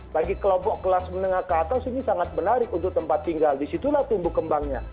bagi kelompok kelas menengah ke atas ini sangat menarik untuk tempat tinggal disitulah tumbuh kembangnya